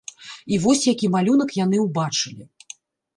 І вось які малюнак яны ўбачылі.